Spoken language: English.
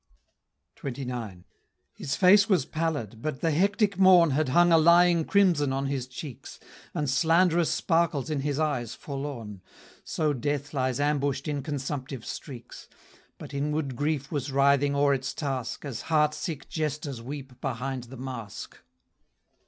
XXXI. His face was pallid, but the hectic morn Had hung a lying crimson on his cheeks, And slanderous sparkles in his eyes forlorn; So death lies ambush'd in consumptive streaks; But inward grief was writhing o'er its task, As heart sick jesters weep behind the mask.